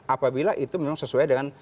apabila itu memang sesuai dengan